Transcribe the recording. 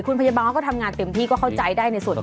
คุณพยาบาลเขาก็ทำงานเต็มที่ก็เข้าใจได้ในสุด